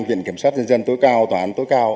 viện kiểm soát dân dân tối cao tòa án tối cao